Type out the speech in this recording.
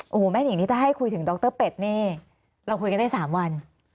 โอ้โหแม่นิงนี่ถ้าให้คุยถึงดรเป็ดนี่เราคุยกันได้๓วัน